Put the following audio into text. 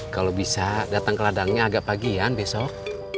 kalau bisa datang ke ladangnya agak pagian besok